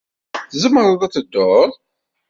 Tzemreḍ ad tedduḍ.